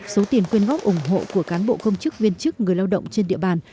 số tiền quyên góp ủng hộ của cán bộ công chức viên chức người lao động trên địa bàn